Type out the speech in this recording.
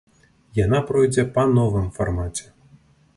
Яна пройдзе па новым фармаце.